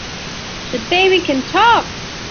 The baby can TALK!